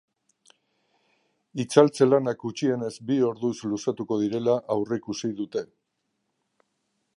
Itzaltze lanak gutxienez bi orduz luzatuko direla aurreikusi dute.